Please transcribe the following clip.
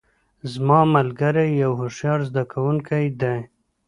زما ملګری یو هوښیار زده کوونکی ده